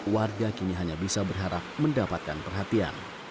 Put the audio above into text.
warga kini hanya bisa berharap mendapatkan perhatian